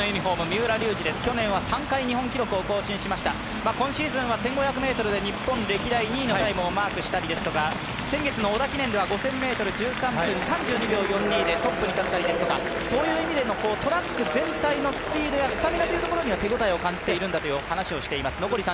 青木は今シーズンは１５００ｍで日本歴代２位のタイムをマークしたりですとか先月の織田記念では５０００ｍトップに立ったりですとかそういう意味でのトラック全体のスピードやスタミナというところには手応えを感じていると話しています。